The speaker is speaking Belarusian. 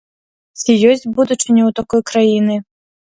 Ці ёсць будучыня ў такой краіны?